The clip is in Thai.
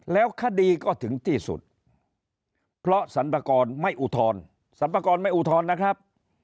แล้วคดีก็ถึงที่สุดเพราะสรรพากรไม่อุทธรณ์สรรพากรไม่อุทธรณ์นะครับ